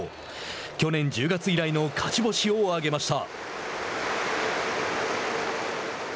去年１０月以来の勝ち星を挙げました。